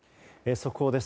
速報です。